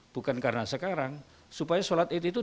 bukan karena sekarang supaya sholat id itu